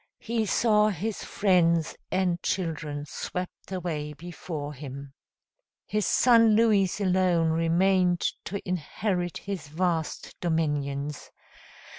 He saw his friends and children swept away before him. His son Louis alone remained to inherit his vast dominions.